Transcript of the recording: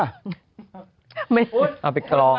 เอาไปกรอง